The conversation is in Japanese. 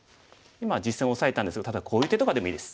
実戦オサえたんですがただこういう手とかでもいいです。